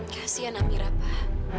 kasian amirah pak